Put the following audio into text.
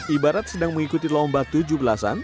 ibarat sedang mengikuti lomba tujuh belasan